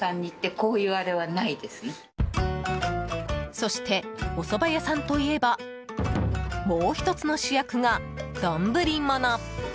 そして、おそば屋さんといえばもう１つの主役が丼もの。